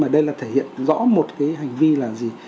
đây là thể hiện rõ một cái hành vi là gì